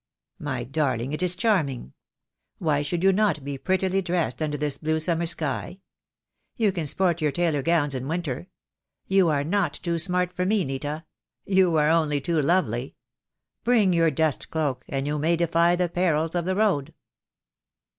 "My darling, it is charming. Why should you not be prettily dressed under this blue summer sky? You can sport your tailor gowns in winter. You are not too smart for me, Nita. You are only too lovely. Bring your dust cloak, and you may defy the perils of the road."